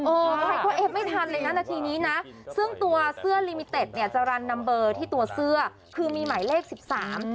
ใครก็เอฟไม่ทันเลยนะนาทีนี้นะซึ่งตัวเสื้อลิมิเต็ดเนี่ยจะรันนัมเบอร์ที่ตัวเสื้อคือมีหมายเลขสิบสาม